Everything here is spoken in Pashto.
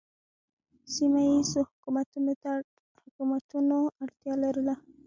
سیمه ییزو حکومتونو اړتیا لرله